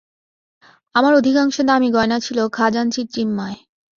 আমার অধিকাংশ দামি গয়না ছিল খাজাঞ্চির জিম্মায়।